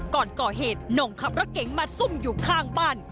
ก่อนก่อเหตุหน่งขับรถเก๋งมาซุ่มอยู่ข้างบ้าน